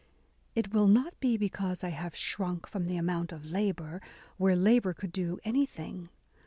it will not be because I have shrunk from the amount of labour rwhere labour could do anything.